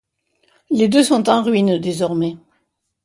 Les deux sont en ruines désormais.